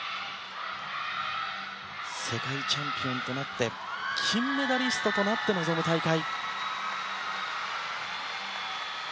世界チャンピオンとなって金メダリストとなって臨む大会。